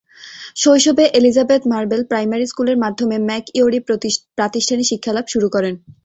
শৈশবে Elizabeth Marble primary স্কুলের মাধ্যমে ম্যাক ইউরি প্রাতিষ্ঠানিক শিক্ষালাভ শুরু করেন।